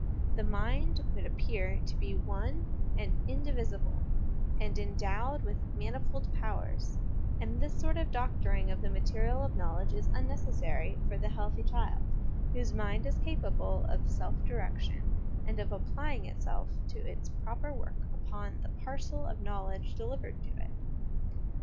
The mind would appear to be one and indivisible, and endowed with manifold powers ; and this sort of doctoring of the material of knowledge is Unnecessary for the healthy child, whose mind is capable of self direction, and ot applying itself to its proper work upon the parcel of knowledge delivered to it.